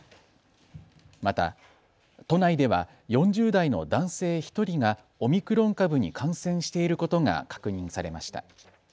また都内では４０代の男性１人がオミクロン株に感染していることが確認されました。